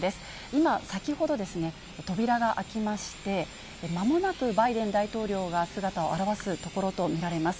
今、先ほどですね、扉が開きまして、まもなくバイデン大統領が姿を現すところと見られます。